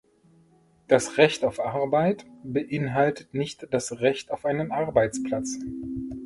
Das "„Recht auf Arbeit“" beinhaltet nicht das "„Recht auf einen Arbeitsplatz“".